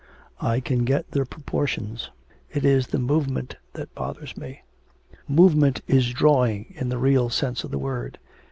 _ I can get the proportions; it is the movement that bothers me.' 'Movement is drawing in the real sense of the word.